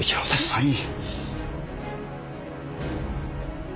はい。